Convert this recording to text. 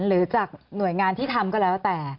หรือจากหน่วยงานที่ทำก็แล้วแต่